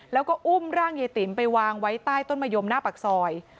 แล้วก็อุ้มร่างยายติ๋มไปวางไว้ใต้ต้นมะยมหน้าปากซอย